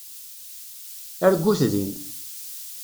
Argut din!